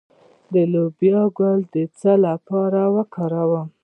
د لوبیا ګل د څه لپاره وکاروم؟